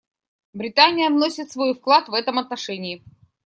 Британия вносит свой вклад в этом отношении.